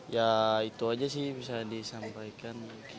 ya itu aja sih bisa disampaikan